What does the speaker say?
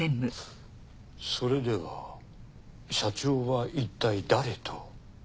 それでは社長はいったい誰と？